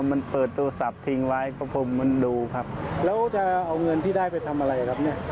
มันเปิดโทรศัพท์ทิ้งไว้เพราะผมมันดูครับแล้วจะเอาเงินที่ได้ไปทำอะไรครับเนี่ย